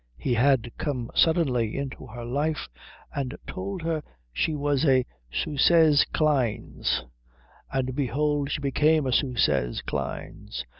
He had come suddenly into her life and told her she was a süsses Kleines: and behold she became a süsses Kleines.